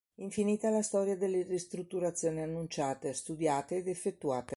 Infinita la storia delle ristrutturazioni annunciate, studiate ed effettuate.